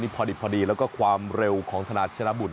นี่พอดีแล้วก็ความเร็วของธนาธนบุตร